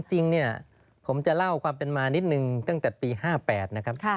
จริงเนี่ยผมจะเล่าความเป็นมานิดนึงตั้งแต่ปี๕๘นะครับ